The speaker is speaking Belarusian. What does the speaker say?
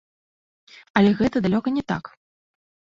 Але гэта далёка не так.